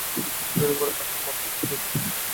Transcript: এতদিন পরে তাহার মার দুঃখ ঘুচিল।